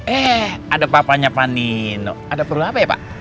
eh ada papanya pak nino ada perlu apa ya pak